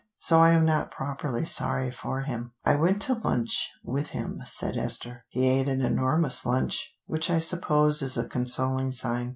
So I am not properly sorry for him." "I went to lunch with him," said Esther. "He ate an enormous lunch, which I suppose is a consoling sign.